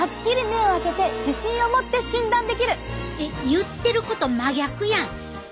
えっ言ってること真逆やん！